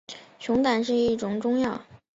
熊胆是一种中药。